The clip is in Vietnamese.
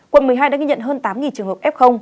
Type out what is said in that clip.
quận một mươi hai đã ghi nhận hơn tám trường hợp f